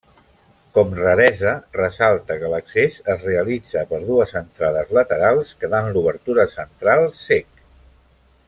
Com raresa ressalta que l'accés es realitza per dues entrades laterals quedant l'obertura central cec.